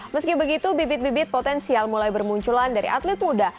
meski begitu bibit bibit potensial mulai bermunculan dari atlet muda